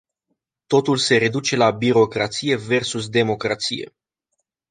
Totul se reduce la birocrație versus democrație.